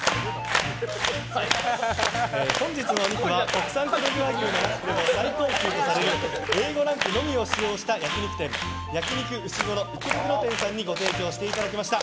本日のお肉は国産黒毛和牛の中でも最高級とされるＡ５ランクのみを使用した焼き肉店焼肉うしごろ池袋店さんに提供していただきました。